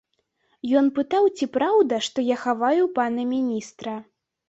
Ён пытаў, ці праўда, што я хаваю пана міністра.